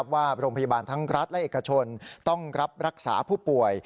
ว่าโรงพยาบาลทั้งรัฐและเอกชนต้องรับรักษาผู้ป่วย